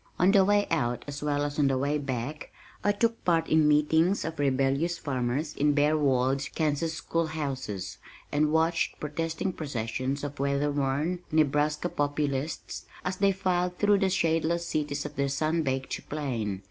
On the way out as well as on the way back, I took part in meetings of rebellious farmers in bare walled Kansas school houses, and watched protesting processions of weather worn Nebraska Populists as they filed through the shadeless cities of their sun baked plain.